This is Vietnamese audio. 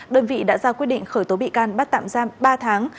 đơn vị đã ra quyết định khởi tố bị can bắt tạm giam ba tháng